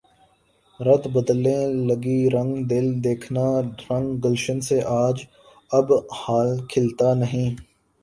رت بدلنے لگی رنگ دل دیکھنا رنگ گلشن سے اب حال کھلتا نہیں